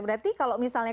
berarti kalau misalnya